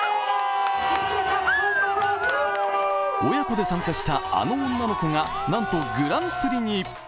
親子で参加したあの女の子がなんとグランプリに。